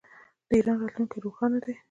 د ایران راتلونکی روښانه دی.